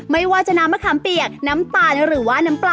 ไม่ว่าจะน้ำมะขามเปียกน้ำตาลหรือว่าน้ำปลา